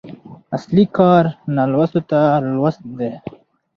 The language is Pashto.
اصلي کار نالوستو ته لوست دی.